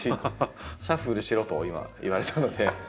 シャッフルしろと今言われたので。